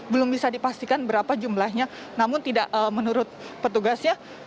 belum bisa dipastikan berapa jumlahnya namun tidak menurut petugasnya